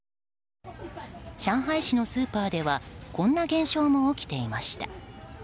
上海市のスーパーではこんな現象も起きていました。